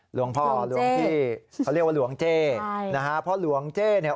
หลวงพ่อหรือหลวงพี่เขาเรียกว่าหลวงเจ๊นะครับเพราะหลวงเจ๊เนี่ย